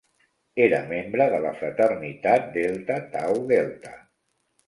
Era membre de la fraternitat Delta Tau Delta.